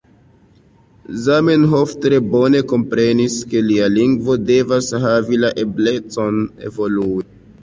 Zamenhof tre bone komprenis, ke lia lingvo devas havi la eblecon evolui.